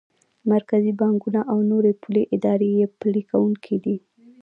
مرکزي بانکونه او نورې پولي ادارې یې پلي کوونکی دي.